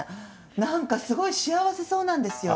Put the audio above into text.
何かすごい幸せそうなんですよ。